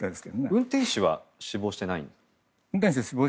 運転手は死亡していないんですよ。